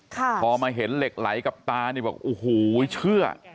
พอมาเห็นเหล็กไหลกับตานี่บอกโอ้โหเชื่อ